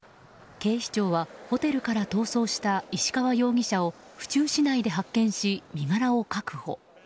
警視庁はホテルから逃走した石川容疑者を府中市内で発見し身柄を確保。